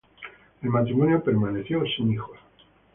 El matrimonio permaneció sin hijos.